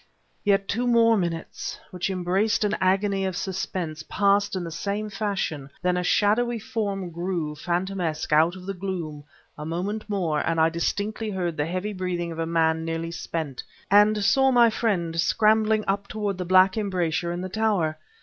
Yet two more minutes, which embraced an agony of suspense, passed in the same fashion; then a shadowy form grew, phantomesque, out of the gloom; a moment more, and I distinctly heard the heavy breathing of a man nearly spent, and saw my friend scrambling up toward the black embrasure in the tower.